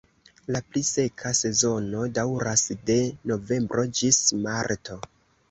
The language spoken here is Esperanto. La pli seka sezono daŭras de novembro ĝis marto.